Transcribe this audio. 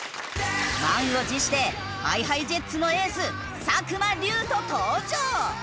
満を持してＨｉＨｉＪｅｔｓのエース作間龍斗登場！